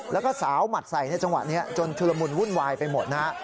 แล้วก็สาวหมัดใส่ในจังหวะนี้จนชุลมุนวุ่นวายไปหมดนะฮะ